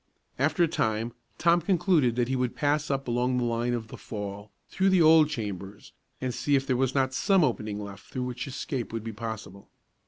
After a time, Tom concluded that he would pass up along the line of the fall, through the old chambers, and see if there was not some opening left through which escape would be possible.